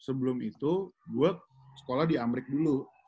sebelum itu gue sekolah di amrik dulu